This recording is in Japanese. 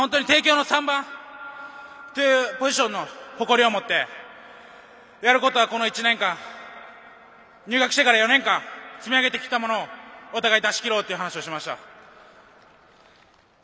帝京の３番というポジションの誇りを持ってやることは、この１年間入学してから４年間積み上げてきたものをお互い出し切ろうと話しました。